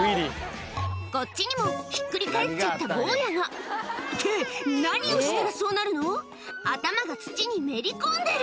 こっちにもひっくり返っちゃった坊やがって何をしたらそうなるの⁉頭が土にめり込んでる！